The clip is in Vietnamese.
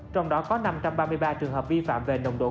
trong đó có năm trăm ba mươi ba trường hợp vi phạm về nồng độ cồn